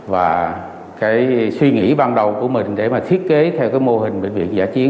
và suy nghĩ ban đầu của mình để thiết kế theo mô hình bệnh viện giả chiến